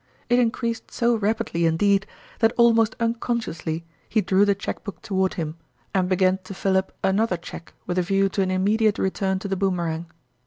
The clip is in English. It increased .so rapidly indeed, that almost uncon sciously he drew the cheque book toward him, and began to fill up another cheque with a view to an immediate return to the Boomer ang.